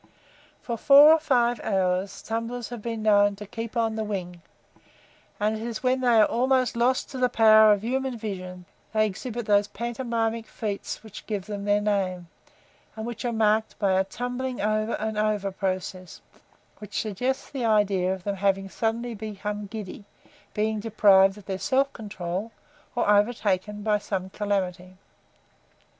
For four or five hours tumblers have been known to keep on the wing; and it is when they are almost lost to the power of human vision that they exhibit those pantomimic feats which give them their name, and which are marked by a tumbling over and over process, which suggests the idea of their having suddenly become giddy, been deprived of their self control, or overtaken by some calamity.